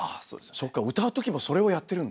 そっか歌うときもそれをやってるんだ。